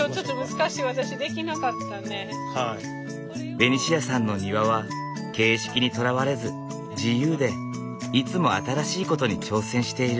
ベニシアさんの庭は形式にとらわれず自由でいつも新しいことに挑戦している。